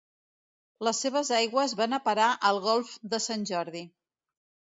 Les seves aigües van a parar al golf de Sant Jordi.